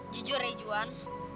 jujur ya juan